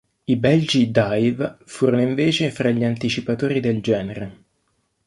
I belgi Dive furono invece fra gli anticipatori del genere.